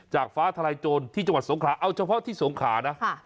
ฟ้าทลายโจรที่จังหวัดสงขาเอาเฉพาะที่สงขานะ